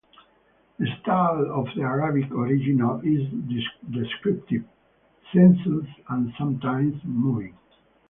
The style of the Arabic original is descriptive, sensuous, and sometimes moving.